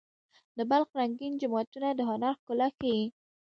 د بلخ رنګین جوماتونه د هنر ښکلا ښيي.